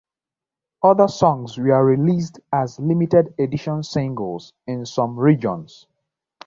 Other songs were released as limited edition singles in some regions.